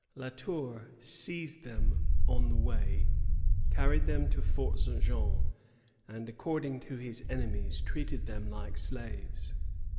La Tour seized them on the way, carried them to Fort St. Jean, and, according to his enemies, treated them like slaves.